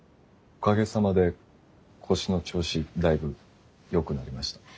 おかげさまで腰の調子だいぶよくなりました。